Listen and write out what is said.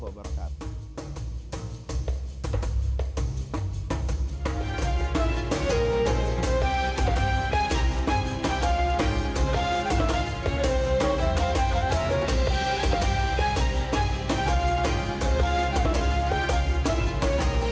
waalaikumsalam warahmatullahi wabarakatuh